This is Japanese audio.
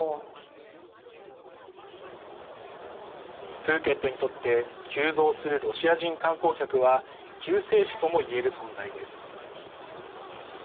プーケットにとって急増するロシア人観光客は救世主とも言える存在です。